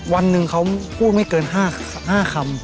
วันหนึ่งเขาพูดไม่เกิน๕คำ